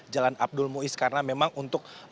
jalan abdul muiz karena memang untuk